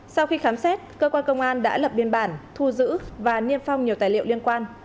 sau khi khám xét cơ quan công an đã lập biên bản thu giữ và niêm phong nhiều tài liệu liên quan